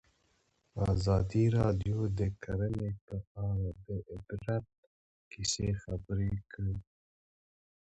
ازادي راډیو د کرهنه په اړه د عبرت کیسې خبر کړي.